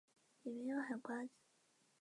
氨纶用在一般衣服上的成分百分比较小。